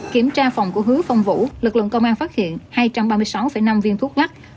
kiểm tra phòng của hứa phong vũ lực lượng công an phát hiện hai trăm ba mươi sáu năm viên thuốc lắc